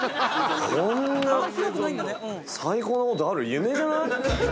夢じゃない？